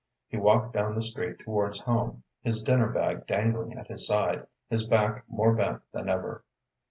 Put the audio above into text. He walked down the street towards home, his dinner bag dangling at his side, his back more bent than ever.